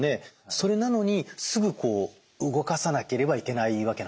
それなのにすぐ動かさなければいけないわけなんですか？